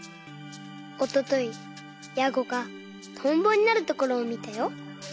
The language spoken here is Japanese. おとといヤゴがトンボになるところをみたよ。